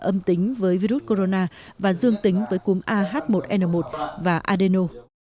âm tính với virus corona và dương tính với cúm ah một n một và adeno